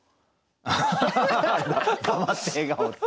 黙って笑顔っていう。